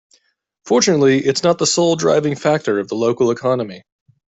Fortunately its not the sole driving factor of the local economy.